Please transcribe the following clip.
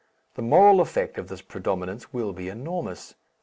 The moral effect of this predominance will be enormous.